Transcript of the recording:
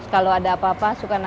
kalau ada apa apa suka nanya